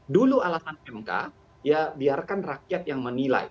dulu alasan mk ya biarkan rakyat yang menilai